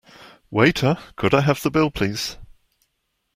Waiter, could I have the bill please?